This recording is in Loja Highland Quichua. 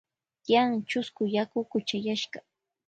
Tyan chusku yaku kuchayashka.